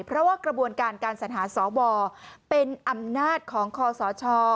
เพราะว่ากระบวนการการสัญหาสวเป็นอำนาจของคอสช